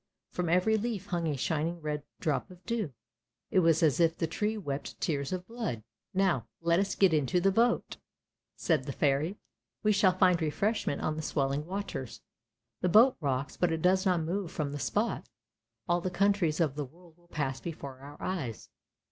From every leaf hung a shining red drop of dew, it was as if the tree wept tears of blood. " Now let us get into the boat," said the Fairy. " We shall find refreshment on the swelling waters. The boat rocks, but it does not move from the spot, all the countries of the world will pass before our eyes."